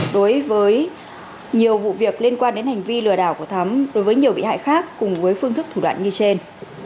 đối với nhiều vụ việc liên quan đến hành vi lừa đảo của thắm đối với nhiều bị hại khác cùng với phương thức thủ đoạn như trên